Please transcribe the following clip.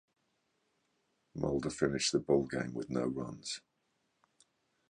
Mulder finished the ballgame with no runs.